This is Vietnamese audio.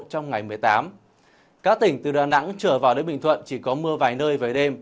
trong ngày một mươi tám các tỉnh từ đà nẵng trở vào đến bình thuận chỉ có mưa vài nơi với đêm